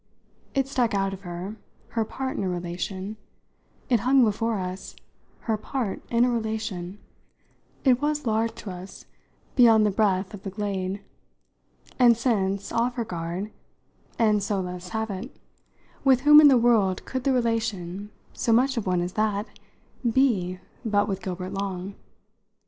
It stuck out of her, her part in a relation; it hung before us, her part in a relation; it was large to us beyond the breadth of the glade. And since, off her guard, she so let us have it, with whom in the world could the relation so much of one as that be but with Gilbert Long?